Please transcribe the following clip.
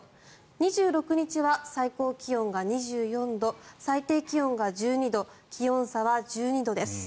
２６日は最高気温が２４度最低気温が１２度気温差は１２度です。